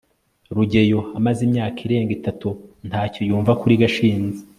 rugeyo amaze imyaka irenga itatu ntacyo yumva kuri gashinzi